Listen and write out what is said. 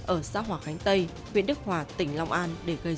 ở xã hòa khánh tây huyện đức hòa tỉnh long an